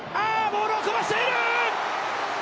ボールをそらしている！